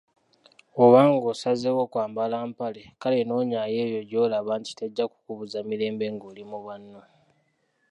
Bw'oba ng'osazeewo kwambala mpale, kale noonyaayo eyo gy'olaba nti tejja kukubuza mirembe ng'oli mu banno